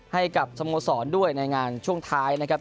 ให้กับสโมสรด้วยในงานช่วงท้ายนะครับ